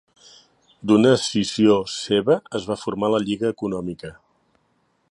D'una escissió seva es va formar la Lliga Econòmica.